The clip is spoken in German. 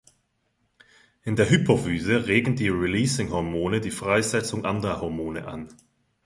In der Hypophyse regen die Releasing-Hormone die Freisetzung anderer Hormone an.